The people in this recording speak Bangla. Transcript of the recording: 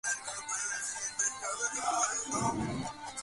ক্ষতির আকস্মিকতায্য ও বিপুলতায় প্রথমটা সে কিছু ঠাহর করিতে পারিল না।